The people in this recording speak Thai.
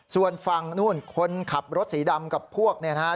ส่วนฝั่งนู่นคนขับรถสีดำกับพวกนี้นะครับ